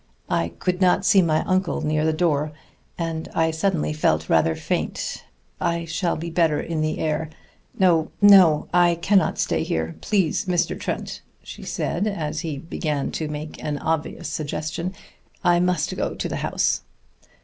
I could not see my uncle near the door, and I suddenly felt rather faint.... I shall be better in the air.... No, no! I cannot stay here please, Mr. Trent!" she said, as he began to make an obvious suggestion. "I must go to the house."